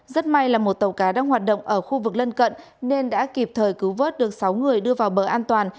rất may là một tàu cá đang hoạt động ở khu vực lân cận nên đã kịp thời cứu vớt được sáu người đưa vào bờ an toàn